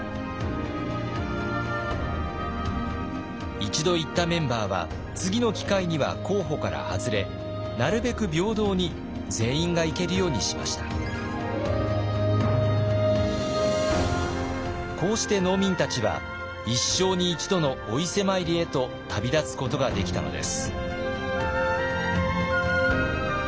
一度行ったメンバーは次の機会には候補から外れなるべくこうして農民たちは一生に一度のお伊勢参りへと旅立つことができたのです。